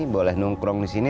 boleh nungkrong di sini